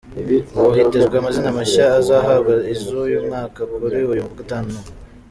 Ubu hitezwe amazina mashya azahabwa iz’uyu mwaka kuri uyu wagatanu.